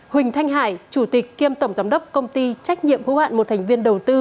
huỳnh thanh hải chủ tịch kiêm tổng giám đốc công ty trách nhiệm hữu hạn một thành viên đầu tư